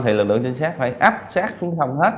thì lực lượng trinh sát phải áp sát xuống sông hết